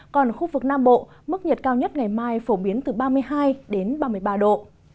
còn khu vực nam bộ mức nhiệt cao nhất ngày mai phổ biến từ ba mươi hai đến ba mươi ba độ